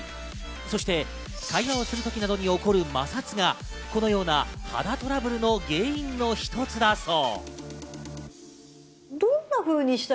そして会話をするときなどに起こる摩擦などが、このような肌トラブルの原因の一つだそう。